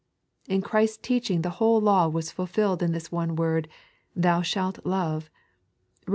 Id Christ's teaching the whole law was fulfilled in this one word, " Thou shalt love " (Rom.